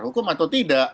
hukum atau tidak